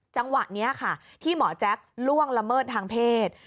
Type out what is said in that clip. จังหวะนี้ค่ะที่หมอแจ๊คล่วงละเมิดทางเพศ